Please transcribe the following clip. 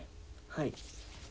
はい。